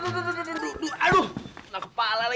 emang gue bungkus taro in terima sekali